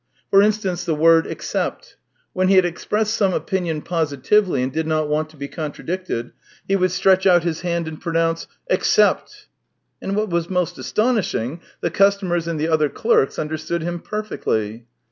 For instance, the word " except." When he had expressed some opinion positively and did not want to be contradicted, he would stretch out his hand and pronounce :" Except !" And what was most astonishing, the customers and the other clerks understood him perfectly.